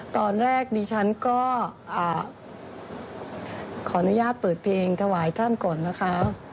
ตอนแรกดิฉันก็ขออนุญาตเปิดเพลงถวายท่านก่อนนะคะ